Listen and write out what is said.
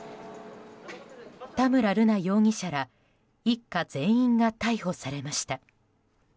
田村瑠奈容疑者ら一家全員が逮捕されました。